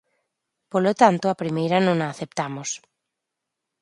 Polo tanto a primeira non a aceptamos.